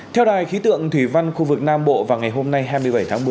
theo đài khí tượng thủy văn khu vực nam bộ vào ngày hôm nay hai mươi bảy tháng một mươi